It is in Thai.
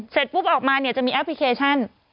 เสร็จปุ๊บออกมาเนี่ยจะมีแอปพลิเคชัน